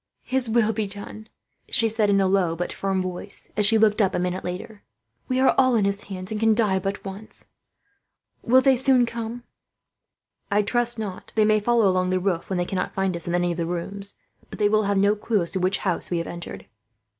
"His will be done," she said, in a low but firm voice, as she looked up a minute later. "We are all in His hands, and can die but once. Will they soon come?" "I trust not," Philip said. "They may follow along the roof, when they cannot find us in any of the rooms; but they will have no clue as to which house we have entered."